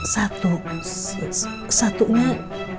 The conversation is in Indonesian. satu satu lagi